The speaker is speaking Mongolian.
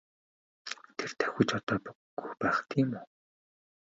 Тэр давхиж одоогүй байх тийм үү?